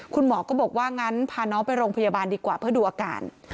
คุณหมอก็บอกว่างั้นพาน้องไปโรงพยาบาลดีกว่าเพื่อดูอาการ